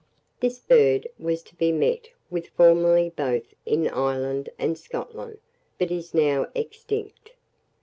This bird was to be met with formerly both in Ireland and Scotland, but is now extinct.